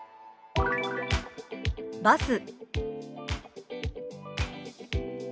「バス」。